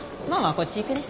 こっち行くね。